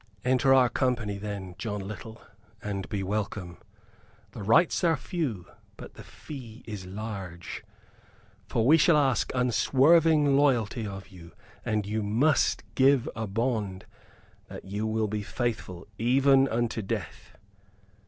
"Enter our company, then, John Little; and be welcome. The rites are few; but the fee is large: for we shall ask unswerving loyalty of you, and you must give a bond that you will be faithful even unto death."